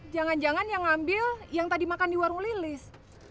jangan jangan yang ngambil yang tadi makan di warung lilis